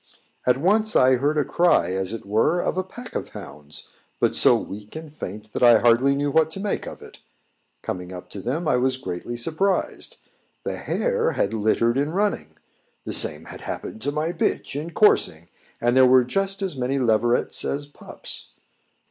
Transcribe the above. At once I heard a cry as it were of a pack of hounds but so weak and faint that I hardly knew what to make of it. Coming up to them, I was greatly surprised. The hare had littered in running; the same had happened to my bitch in coursing, and there were just as many leverets as pups.